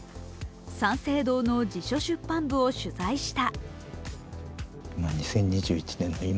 三省堂の辞書出版部を取材した。